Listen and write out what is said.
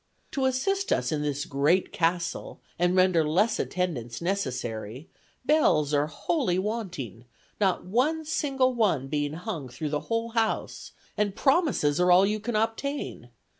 To assist us in this great castle, and render less attendance necessary, bells are wholly wanting, not one single one being hung through the whole house, and promises are all you can obtain.